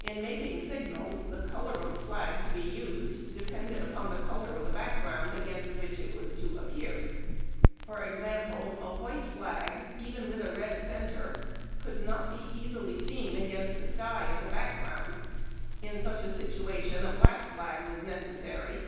In making sig nals, the color of flag to be used depended upon tlie color of background against wliich it was to appear. For example, a white flag, even with its red*centre, could not be easily seen against the PLATE 1. TALKING FLAGS AND TORCHES. 397 sky as a background. Ill such a situation a black flag was necessary.